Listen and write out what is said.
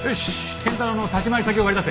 賢太郎の立ち回り先を割り出せ。